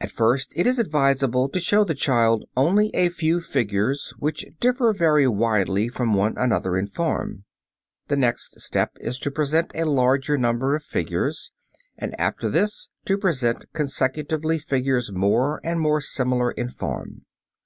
At first it is advisable to show the child only a few figures which differ very widely from one another in form. The next step is to present a larger number of figures, and after this to present consecutively figures more and more similar in form.